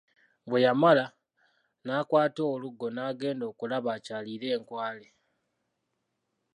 Bwe yamala, n'akwata oluggo n'agenda okulaba akyalire enkwale.